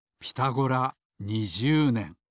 「ピタゴラ」２０ねん。